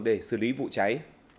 để xử lý vụ cháy